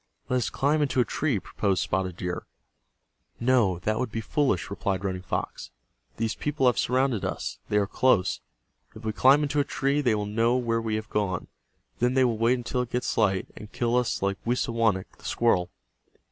"Let us climb into a tree," proposed Spotted Deer. "No, that would be foolish," replied Running Fox. "These people have surrounded us. They are close. If we climb into a tree they will know where we have gone. Then they will wait until it gets light, and kill us like Wisawanik, the squirrel."